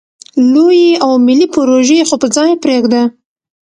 لویې او ملې پروژې خو په ځای پرېږده.